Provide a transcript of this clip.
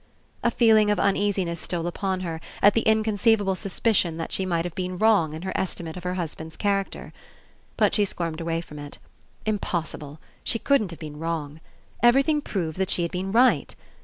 A feeling of uneasiness stole upon her at the inconceivable suspicion that she might have been wrong in her estimate of her hus band's character. But she squirmed away from it. Impossible ! She couldn't have been wrong. Everything proved that she had been right.